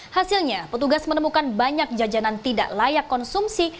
hasilnya petugas menemukan banyak jajanan tidak layak konsumsi